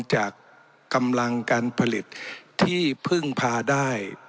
จากกำลังการผลิตที่พึ่งพาได้